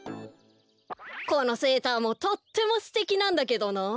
このセーターもとってもすてきなんだけどなあ。